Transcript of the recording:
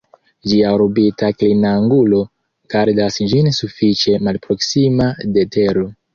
Ĝia orbita klinangulo gardas ĝin sufiĉe malproksima de Tero.